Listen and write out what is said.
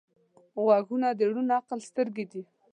غوږونه د روڼ عقل سترګې دي